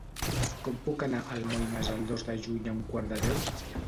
Com puc anar a Almoines el dos de juny a un quart de deu?